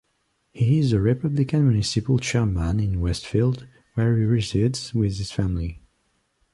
He is the Republican Municipal Chairman in Westfield, where he resides with his family.